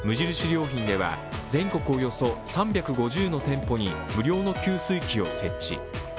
良品では、全国およそ３５０の店舗に無料の給水機を設置。